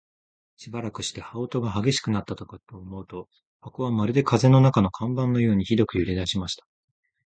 しばらくして、羽音が烈しくなったかと思うと、箱はまるで風の中の看板のようにひどく揺れだしました。